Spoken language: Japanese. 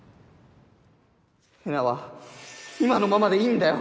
えなは今のままでいいんだよ